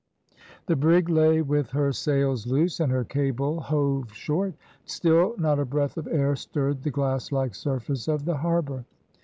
The brig lay with her sails loose and her cable hove short: still not a breath of air stirred the glass like surface of the harbour.